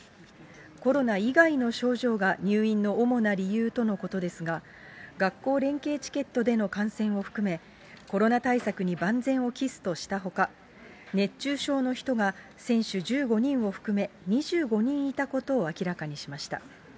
コロナ以外の症状が入院の主な理由とのことですが、学校連携チケットでの観戦を含め、コロナ対策に万全を期すとしたほか、熱中症の人が選手１５人を含め、２５人いたことを明らかにしました。